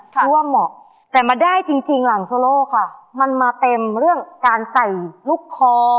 เพราะว่าเหมาะแต่มาได้จริงหลังโซโลค่ะมันมาเต็มเรื่องการใส่ลูกคอ